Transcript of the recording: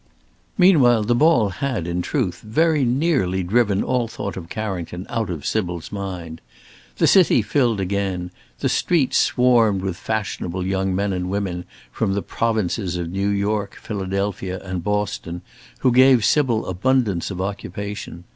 Meanwhile the ball had, in truth, very nearly driven all thought of Carrington out of Sybil's mind. The city filled again. The streets swarmed with fashionable young men and women from the provinces of New York, Philadelphia, and Boston, who gave Sybil abundance of occupation.